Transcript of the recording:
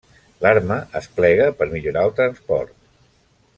L'arma es plega per millorar el transport.